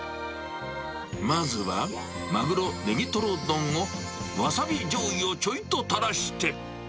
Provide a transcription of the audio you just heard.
まずはマグロネギトロ丼をわさびじょうゆをちょいと垂らして。